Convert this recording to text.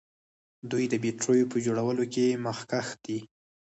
دوی د بیټریو په جوړولو کې مخکښ دي.